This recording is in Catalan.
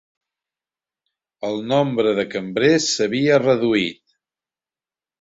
El nombre dels cambrers s'havia reduït